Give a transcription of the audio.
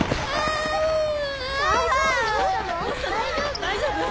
大丈夫？